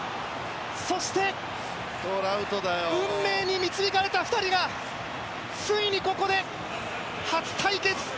そして運命に導かれた２人がついにここで初対決。